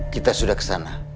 kita sudah kesana